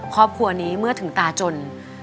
ครอบครัวนี้เมื่อถึงตาจน